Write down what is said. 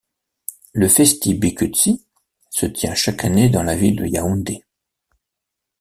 Le Festi Bikutsi se tient chaque année dans la ville de Yaoundé.